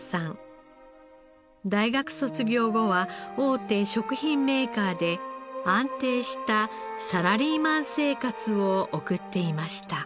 大学卒業後は大手食品メーカーで安定したサラリーマン生活を送っていました。